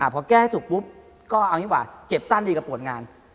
พอแก้ให้ถูกปุ๊บก็เอาอย่างนี้หว่าเจ็บสั้นดีกว่าปวดงาน